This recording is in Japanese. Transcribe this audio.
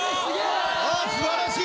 すばらしい。